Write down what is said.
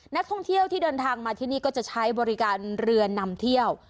นักท่องเที่ยวที่เดินทางมาที่นี่ก็จะใช้บริการเรือนำเที่ยว